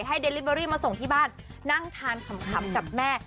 เดลิเบอรี่มาส่งที่บ้านนั่งทานขำกับแม่